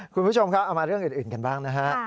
คุณผู้ชมครับเอามาเรื่องอื่นกันบ้างนะฮะ